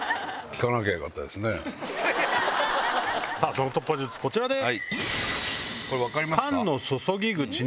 その突破術こちらです！